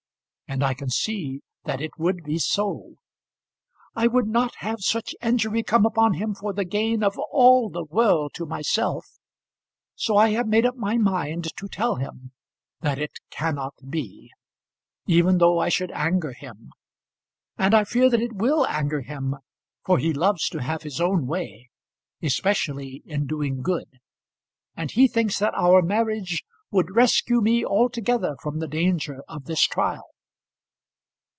And I can see that it would be so. I would not have such injury come upon him for the gain of all the world to myself. So I have made up my mind to tell him that it cannot be, even though I should anger him. And I fear that it will anger him, for he loves to have his own way, especially in doing good; and he thinks that our marriage would rescue me altogether from the danger of this trial.